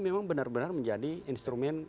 memang benar benar menjadi instrumen